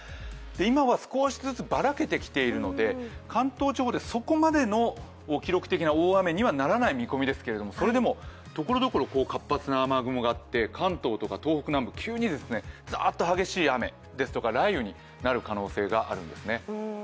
今は少しずつバラけてきているので関東地方でそこまでの記録的な大雨にはならない見込みですけど、それでもところどころ活発な雨雲があって、関東とか東北南部、急にザーッと激しい雨、雷雨になる可能性があるんですね。